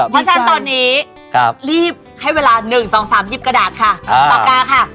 เพราะฉะนั้นตอนนี้รีบให้เวลา๑๒๓หยิบกระดาษค่ะปากกาค่ะ